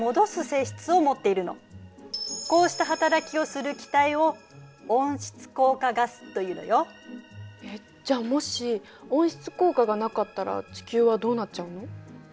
こうした働きをする気体をえっじゃあもし温室効果がなかったら地球はどうなっちゃうの？